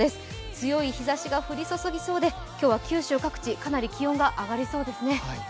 強い日ざしが降り注ぎそうで今日は九州各地、かなり気温が上がりそうですね。